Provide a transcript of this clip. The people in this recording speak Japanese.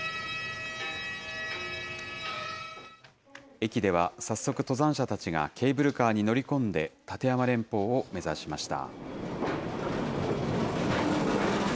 駅では、早速、登山者たちがケーブルカーに乗り込んで、立山連峰を目指しました。